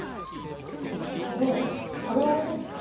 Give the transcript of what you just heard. もう頃合いね。